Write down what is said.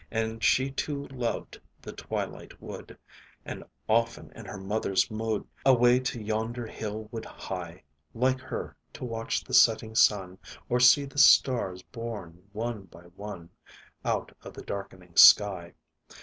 And she too loved the twilight wood And often, in her mother's mood, Away to yonder hill would hie, Like her, to watch the setting sun, Or see the stars born, one by one, Out of the darkening sky.